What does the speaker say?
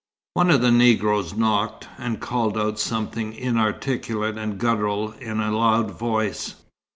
One of the Negroes knocked, and called out something inarticulate and guttural in a loud voice.